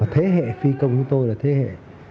thế hệ phi công như tôi là thế hệ